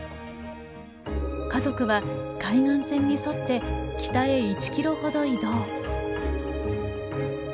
家族は海岸線に沿って北へ１キロほど移動。